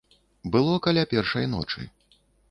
Было каля першай ночы.